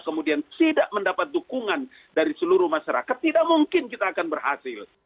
kemudian tidak mendapat dukungan dari seluruh masyarakat tidak mungkin kita akan berhasil